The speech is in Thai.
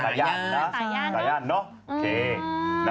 ตายาณเนอะ